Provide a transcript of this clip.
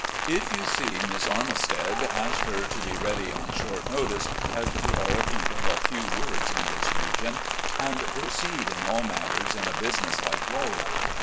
If you see Miss Armistead, ask her to be ready on short notice, as we are a people of few words in this region, and proceed in all matters in a businesslike way.